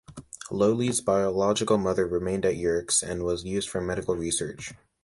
Loulis's biological mother remained at Yerkes and was used for medical research.